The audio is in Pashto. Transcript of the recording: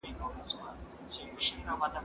زه اوږده وخت کالي وچوم وم!؟